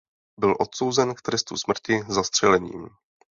Byl odsouzen k trestu smrti zastřelením.